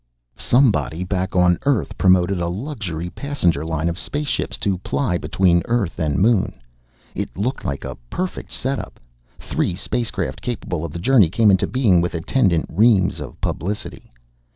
Somebody back on Earth promoted a luxury passenger line of spaceships to ply between Earth and Moon. It looked like a perfect set up. Three spacecraft capable of the journey came into being with attendant reams of publicity.